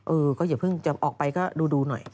เออก็อย่าเพิ่งจะออกไปก็ดูหน่อย